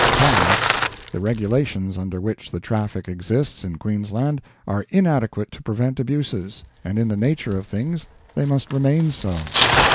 "5. The Regulations under which the Traffic exists in Queensland are inadequate to prevent abuses, and in the nature of things they must remain so.